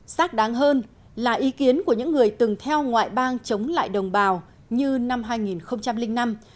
xác đáng hơn là ý kiến của những người từng theo ngoại bang chống lại đồng bào như năm hai nghìn năm